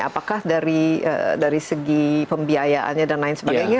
apakah dari segi pembiayaannya dan lain sebagainya